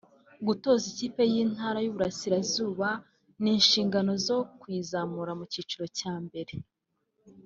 gutoza ikipe y’intara y’i Burasirazuba n’inshingano zo kuyizamura mu cyiciro cya mbere